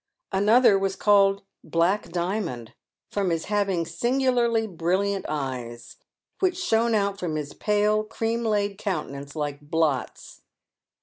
Another was called "Black Diamond," from his having singularly brilliant eyes, which shone out from his pale, cream laid countenance like blots.